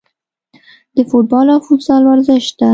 د فوټبال او فوتسال ورزش ته